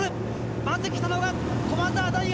まず来たのが駒澤大学。